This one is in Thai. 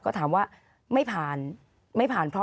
ขอบคุณครับ